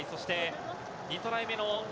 ２トライ目の。